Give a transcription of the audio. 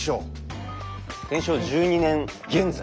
「天正１２年現在」。